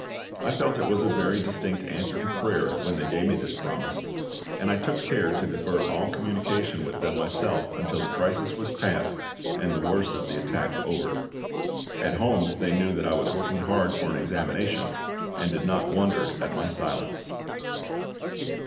I felt it was a very distinct answer to prayer when they gave me this promise, and I took care to defer all communication with them myself until the crisis was past and the worst of the attack over. At home they knew that I was working hard for an examination, and did not wonder at my silence.